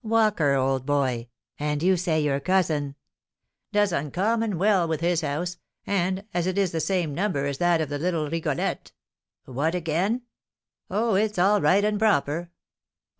"'Walker!' old boy. And you say your cousin " "Does uncommon well with his house, and, as it is the same number as that of the little Rigolette " "What, again?" "Oh, it's all right and proper."